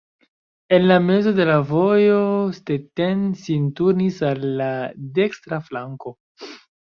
En la mezo de la vojo Stetten sin turnis al la dekstra flanko.